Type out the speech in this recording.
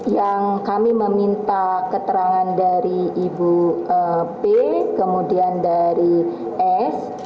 yang kami meminta keterangan dari ibu p kemudian dari s